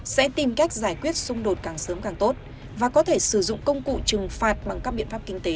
sẽ tìm cách giải quyết xung đột càng sớm càng tốt và có thể sử dụng công cụ trừng phạt bằng các biện pháp kinh tế